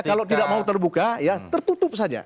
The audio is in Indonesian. kalau tidak mau terbuka ya tertutup saja